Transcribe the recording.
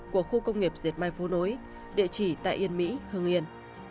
của khu công nghiệp diệt may vô nối địa chỉ tại yên mỹ hưng yên